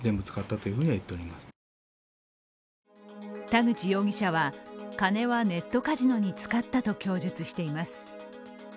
田口容疑者は金はネットカジノに使ったと供述しています。